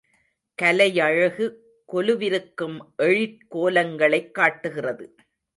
கலையழகு கொலுவிருக்கும் எழிற் கோலங்களைக் காட்டுகிறது.